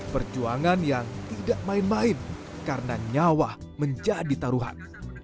perjuangan yang tidak main main karena nyawa menjadi taruhan